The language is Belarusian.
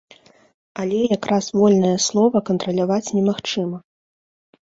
Але як раз вольнае слова кантраляваць немагчыма.